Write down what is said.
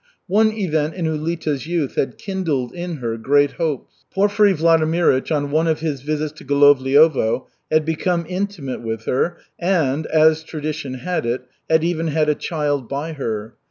One event in Ulita's youth had kindled in her great hopes. Porfiry Vladimirych, on one of his visits to Golovliovo, had become intimate with her, and, as tradition had it, had even had a child by her.